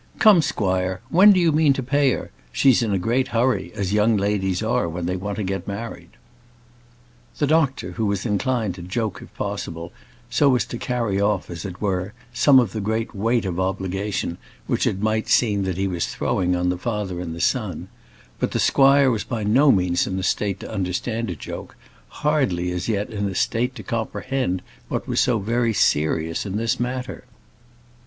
Come, squire, when do you mean to pay her? She's in a great hurry, as young ladies are when they want to get married." The doctor was inclined to joke if possible, so as to carry off, as it were, some of the great weight of obligation which it might seem that he was throwing on the father and son; but the squire was by no means in a state to understand a joke: hardly as yet in a state to comprehend what was so very serious in this matter.